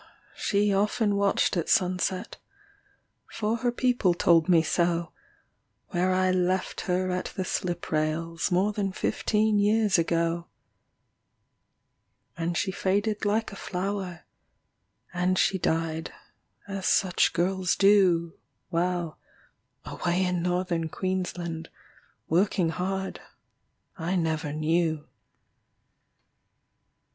she often watched at sunset For her people told me so Where I left her at the slip rails More than fifteen years ago. And she faded like a flower, And she died, as such girls do, While, away in Northern Queensland, Working hard, I never knew.